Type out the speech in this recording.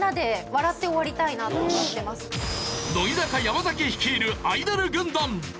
乃木坂山崎率いるアイドル軍団。